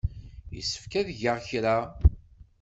Yessefk ad geɣ kra.